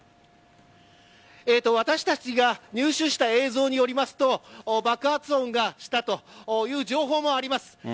私たちが入手した映像によりますと爆発音がしたという情報もあります。